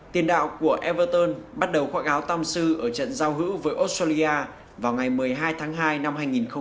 tiền đạo của everton bắt đầu khoác áo tham sư ở trận giao hữu với australia vào ngày một mươi hai tháng hai năm hai nghìn ba